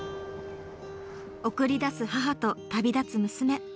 送り出す母と旅立つ娘。